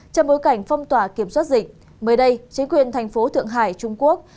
trong bối cảnh phong tỏa kiểm soát dịch mới đây chính quyền thành phố thượng hải trung quốc